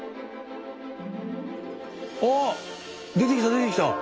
ああ出てきた出てきた！